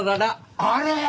あれ！？